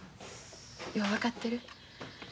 よう分かってる。